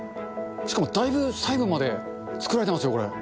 しかもだいぶ、細部まで作られてますよ、これ。